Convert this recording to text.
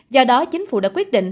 do đó chính phủ đã quyết định